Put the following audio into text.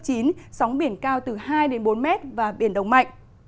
sóng biển cao từ hai bốn m và biển động mạnh